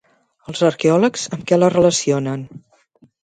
Els arqueòlegs amb què la relacionen?